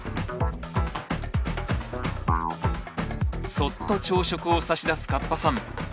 そっと朝食を差し出すカッパさん。